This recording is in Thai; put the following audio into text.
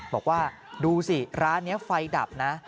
บอกว่าดูสิร้านนี้ไฟดับนะ